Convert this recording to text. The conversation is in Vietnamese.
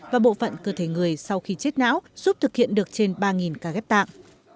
và bộ phận cơ thể người sau khi chết não giúp thực hiện được trên ba ca ghép tạng